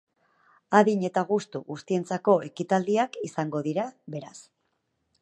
Adin eta gustu guztientzako ekitaldiak izango dira, beraz.